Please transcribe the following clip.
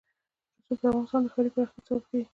رسوب د افغانستان د ښاري پراختیا سبب کېږي.